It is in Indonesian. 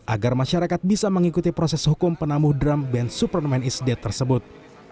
agar masyarakat bisa mengikuti proses hukum penamu drum band superman is dead tersebut